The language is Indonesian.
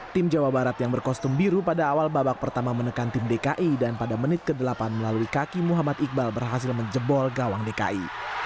tim jawa barat yang berkostum biru pada awal babak pertama menekan tim dki dan pada menit ke delapan melalui kaki muhammad iqbal berhasil menjebol gawang dki